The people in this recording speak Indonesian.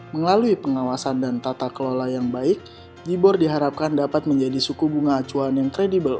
melalui pengawasan dan tata kelola yang baik jibor diharapkan dapat menjadi suku bunga acuan yang kredibel